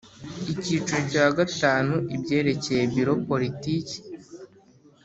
Icyiciro cya gatanu Ibyerekeye Biro Politiki